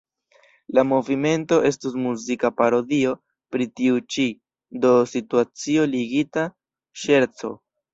La movimento estus muzika parodio pri tiu ĉi, do situacio-ligita ŝerco.